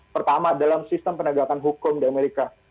pertama dalam sistem penegakan hukum di amerika